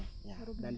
dan di dalamnya